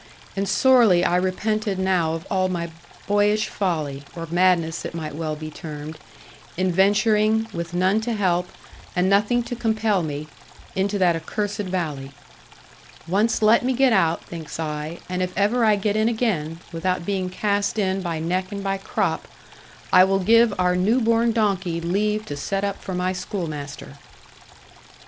And sorely I repented now of all my boyish folly, or madness it might well be termed, in venturing, with none to help, and nothing to compel me, into that accursed valley. Once let me get out, thinks I, and if ever I get in again, without being cast in by neck and by crop, I will give our new born donkey leave to set up for my schoolmaster.